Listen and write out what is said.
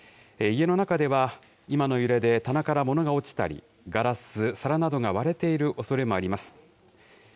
家の中では、今の揺れで棚から物が落ちたり、ガラス、皿などが割れているおそれもあります。